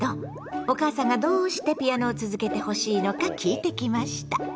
お母さんがどうしてピアノを続けてほしいのか聞いてきました。